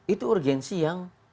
itu urgensi yang